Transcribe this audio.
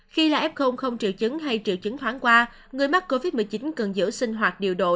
khi là f không triệu chứng hay triệu chứng thoáng qua người mắc covid một mươi chín cần giữ sinh hoạt điều độ